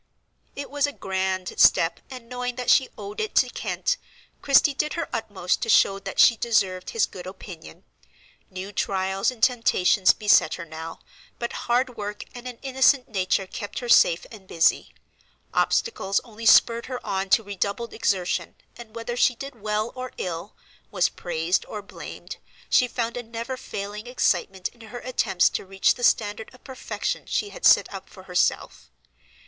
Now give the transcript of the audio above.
It was a grand step, and knowing that she owed it to Kent, Christie did her utmost to show that she deserved his good opinion. New trials and temptations beset her now, but hard work and an innocent nature kept her safe and busy. Obstacles only spurred her on to redoubled exertion, and whether she did well or ill, was praised or blamed, she found a never failing excitement in her attempts to reach the standard of perfection she had set up for herself.